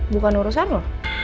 bukan urusan lu